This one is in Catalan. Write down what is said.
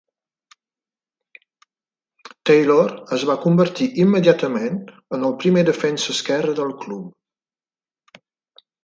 Taylor es va convertir immediatament en el primer defensa esquerre del club.